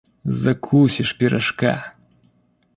Закусишь пирожка!